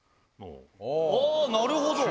あぁなるほど！